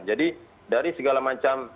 jadi dari segala macam